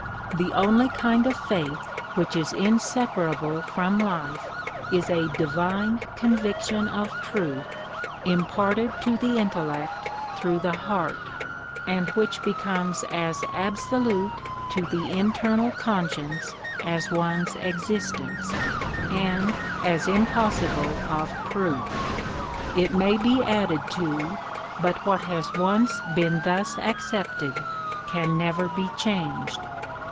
The only kind of faith which is inseparable from life is a divine conviction of truth imparted to the intellect through the heart, and which becomes as absolute to the internal conscience as one's existence, and as impossible of proof. It may be added to, but what has once been thus accepted can never be changed.